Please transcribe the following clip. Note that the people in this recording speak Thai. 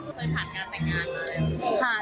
เคยผ่านการแต่งงานมา